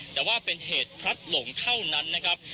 แต่ว่าเป็นเหตุพลัดหลงเท่านั้นนะครับ